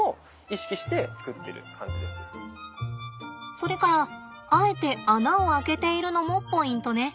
それからあえて穴を開けているのもポイントね。